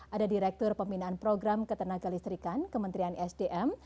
ada direktur peminaan program ketenagaan listrikan kementerian sdm